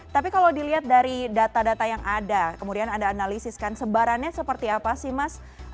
tapi kalau dilihat dari data data yang ada kemudian anda analisiskan sebarannya seperti apa sih mas